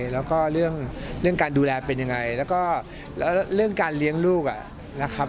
แล้วก็เรื่องการดูแลเป็นยังไงแล้วก็แล้วเรื่องการเลี้ยงลูกนะครับ